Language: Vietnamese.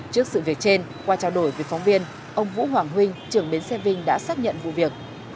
trước sự việc trên qua trao đổi với phóng viên ông vũ hoàng huynh trưởng bến xe vinh đã xác nhận vụ việc